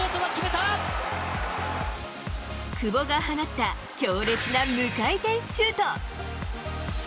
久保が放った強烈な無回転シュート。